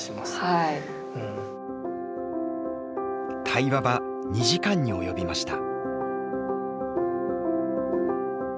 というのも対話は２時間に及びました。